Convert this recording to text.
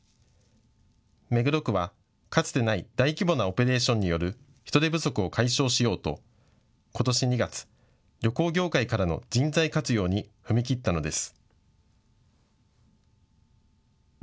目黒区は、かつてない大規模なオペレーションによる人手不足を解消しようとことし２月、旅行業界からの人材活用に踏み切ったのです。